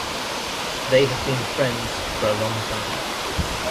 They have been friends for a long time.